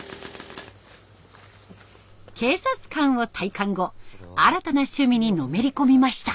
警察官を退官後新たな趣味にのめり込みました。